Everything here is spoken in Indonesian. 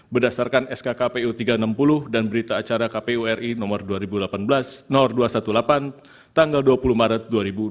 berdasarkan skk pu tiga ratus enam puluh dan berita acara kpu ri no dua ratus delapan belas tanggal dua puluh maret dua ribu dua puluh empat